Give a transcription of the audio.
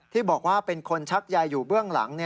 ที่บอกว่าเป็นคนชักยายอยู่เบื้องหลัง